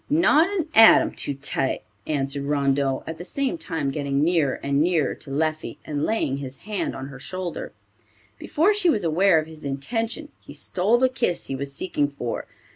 "Not an atom too tight," answered Rondeau, at the same time getting nearer and nearer to Leffie, and laying his hand on her shoulder. Before she was aware of his intention, he stole the kiss he was seeking for.